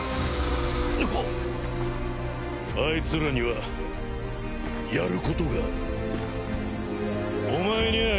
あいつらにはやることがある。